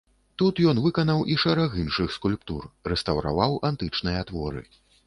Тут ён выканаў і шэраг іншых скульптур, рэстаўраваў антычныя творы.